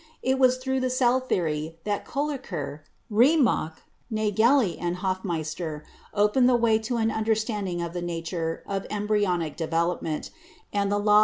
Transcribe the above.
It was through the cell theory that Kolliker, Remak, Nageli and HofTmeister opened the way to an understanding of the nature of embryological development, and the law of Fig.